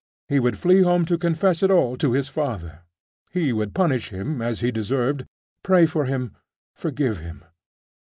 He would flee home to confess it all to his father. He would punish him as he deserved, pray for him, forgive him.